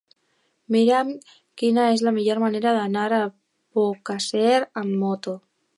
Mira'm quina és la millor manera d'anar a Albocàsser amb moto.